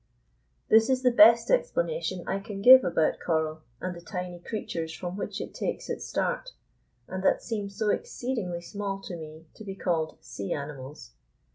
This is the best explanation I can give about coral and the tiny creatures from which it takes its start, and that seem so exceedingly small to me to be called "sea animals."